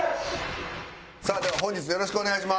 さあでは本日よろしくお願いします。